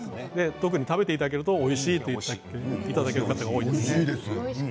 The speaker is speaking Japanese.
特に、食べていただけるとおいしいと言っていただける方がおいしいです。